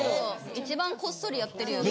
一番こっそりやってるよね。